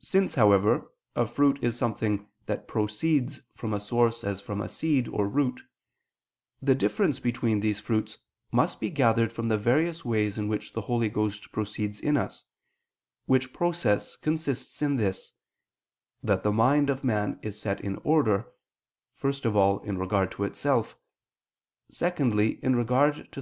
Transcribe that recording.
Since, however, a fruit is something that proceeds from a source as from a seed or root, the difference between these fruits must be gathered from the various ways in which the Holy Ghost proceeds in us: which process consists in this, that the mind of man is set in order, first of all, in regard to itself; secondly, in regard to things that are near it; thirdly, in regard to things that are below it.